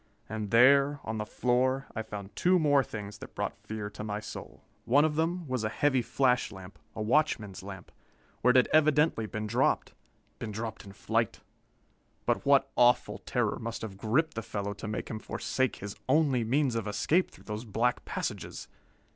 And there, on the floor, I found two more things that brought fear to my soul. One of them was a heavy flash lamp a watchman's lamp where it had evidently been dropped. Been dropped in flight! But what awful terror must have gripped the fellow to make him forsake his only means of escape through those black passages?